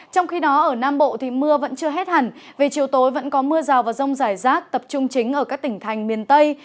trong khi đó ở nam bộ thì mưa vẫn chưa hết hẳn về chiều tối vẫn có mưa rào và rông rải rác tập trung chính ở các tỉnh thành miền tây